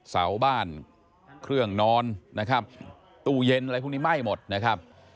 เสาบ้านเครื่องนอนนะครับตู้เย็นอะไรพวกนี้ไหม้หมดนะครับ